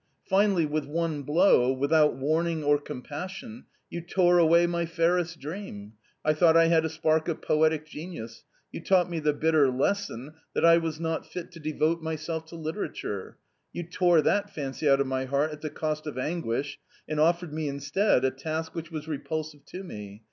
/Finally, with one blow, without warning or com passion, you tore away my fairest dream ; I thought I had a spark of poetic genius ; you taught me the bitter lesson that I was not fit to devote myself to literature ; you tore that fancy out of my heart at the cost of anguish and offered me instead a task which was repulsive to me.